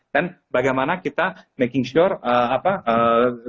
dan bagaimana kita making sure dapurnya kita itu selesai